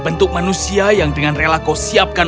bentuk manusia yang dengan rela kau siapkan